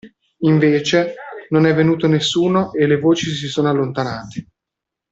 Invece, non è venuto nessuno e le voci si sono allontanate.